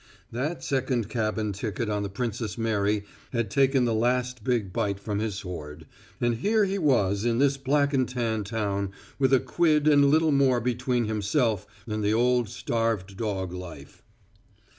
That second cabin ticket on the Princess Mary had taken the last big bite from his hoard, and here he was in this black and tan town with a quid and little more between himself and the old starved dog life.